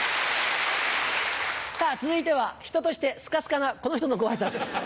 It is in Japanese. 続いては人としてスカスカなこの人のご挨拶。